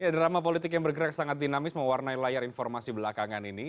drama politik yang bergerak sangat dinamis mewarnai layar informasi belakangan ini